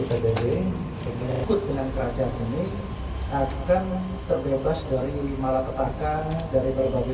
makartu dari bgd dengan kerajaan ini akan terbebas dari malapetaka dari berbagai